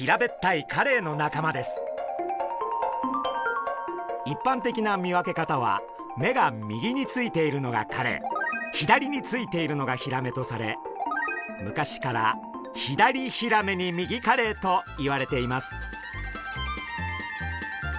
いっぱん的な見分け方は目が右についているのがカレイ左についているのがヒラメとされ昔から「左ヒラメに右カレイ」といわれています。